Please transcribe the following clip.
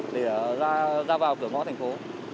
để ra vào cửa ngõ thành phố